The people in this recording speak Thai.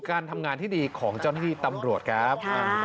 การทำงานที่ดีของเจ้าหน้าที่ตำรวจครับ